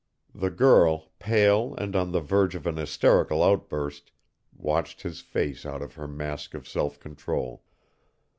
The girl, pale and on the verge of an hysterical outburst, watched his face out of her mask of self control.